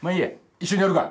一緒にやるか。